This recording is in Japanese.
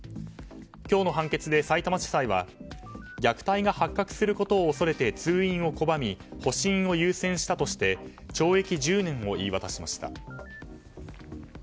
今日の判決でさいたま地裁は虐待が発覚することを恐れて通院を拒み保身を優先したとして懲役１０年を言い渡しました。